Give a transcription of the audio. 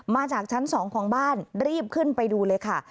มาจากชั้น๒ของบ้านรีบขึ้นไปดูเลยค่ะ